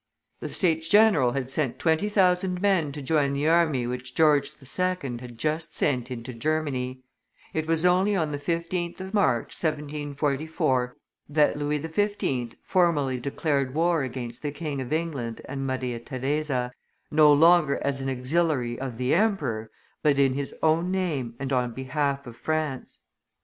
The States general had sent twenty thousand men to join the army which George II. had just sent into Germany. It was only on the 15th of March, 1744, that Louis XV. formally declared war against the King of England and Maria Theresa, no longer as an auxiliary of the 'emperor, but in his own name and on behalf of France.